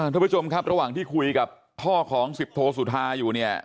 ท่านผู้ชมครับระหว่างที่คุยกับพ่อของสิบโทสุธาอยู่เนี่ย